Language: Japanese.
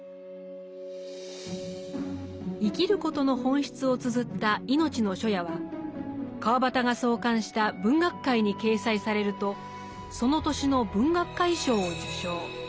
生きることの本質をつづった「いのちの初夜」は川端が創刊した「文學界」に掲載されるとその年の文學界賞を受賞。